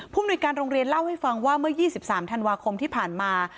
มนุยการโรงเรียนเล่าให้ฟังว่าเมื่อ๒๓ธันวาคมที่ผ่านมา